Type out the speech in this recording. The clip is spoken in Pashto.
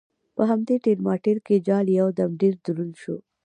په همدې ټېل ماټېل کې جال یو دم ډېر دروند شو.